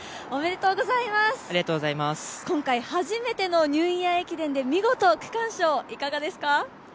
おめでとうございます、今回、初めてのニューイヤー駅伝で見事区間賞いかがですか？